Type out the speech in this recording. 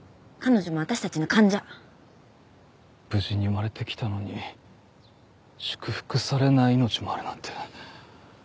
無事に生まれてきたのに祝福されない命もあるなんて。